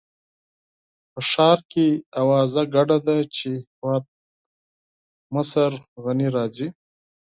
په ښار کې اوازه ګډه ده چې هېوادمشر غني راځي.